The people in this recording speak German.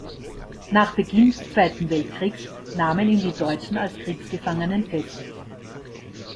Nach Beginn des Zweiten Weltkriegs nahmen ihn die Deutschen als Kriegsgefangenen fest.